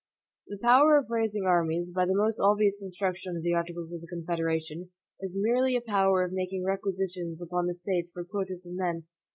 The power of raising armies, by the most obvious construction of the articles of the Confederation, is merely a power of making requisitions upon the States for quotas of men.